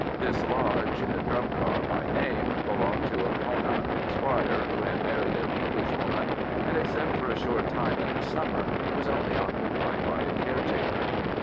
This lodge, Drumcar by name, belonged to a Connaught squire who had married an Englishwoman, and except for a short time in the summer was only occupied by a caretaker.